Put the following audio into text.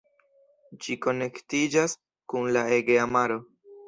Ĝi konektiĝas kun la Egea maro.